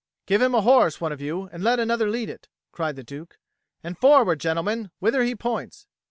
"Give him a horse, one of you, and let another lead it," cried the Duke. "And forward, gentlemen, whither he points!"